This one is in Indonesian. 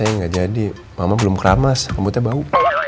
jangan mama bau